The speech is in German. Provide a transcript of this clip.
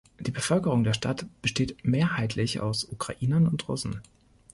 Die Bevölkerung der Stadt besteht mehrheitlich aus Ukrainern und Russen.